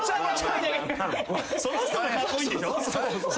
その人がカッコイイんでしょ？